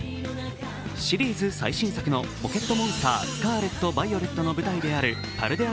シリーズ最新作の「ポケットモンスタースカーレット・バイオレット」の舞台であるパルデア